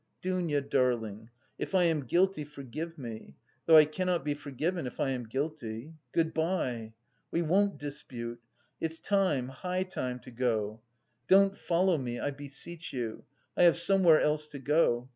"Dounia darling, if I am guilty forgive me (though I cannot be forgiven if I am guilty). Good bye! We won't dispute. It's time, high time to go. Don't follow me, I beseech you, I have somewhere else to go....